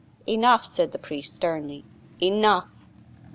"Enough," said the priest, sternly, "enough."